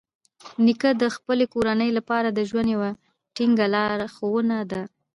نیکه د خپلې کورنۍ لپاره د ژوند یوه ټینګه لارښونه ده.